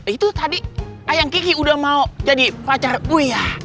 itu tadi ayang kiki udah mau jadi pacar gue